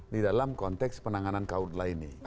di dalam konteks penanganan kawasan lainnya